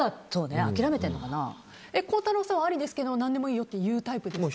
孝太郎さんはありですが何でもいいよって言うタイプですか？